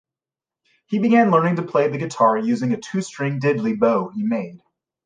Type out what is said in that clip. He began learning to play the guitar using a two-string diddley bow he made.